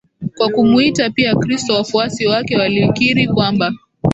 Kwa kumuita pia Kristo wafuasi wake walikiri kwamba